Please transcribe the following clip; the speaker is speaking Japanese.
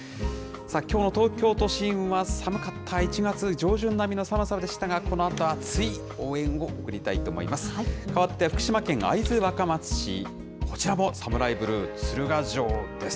きょうの東京都心は寒かった、１月上旬並みの寒さでしたが、このあと熱い応援を送りたいと思います。